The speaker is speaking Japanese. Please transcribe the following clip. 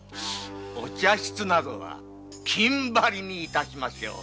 お茶室などは金張りに致しましょう。